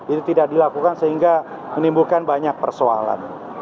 itu tidak dilakukan sehingga menimbulkan banyak persoalan